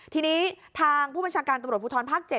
ทีนี้ทางผู้บัญชาการตำรวจภูทรภาค๗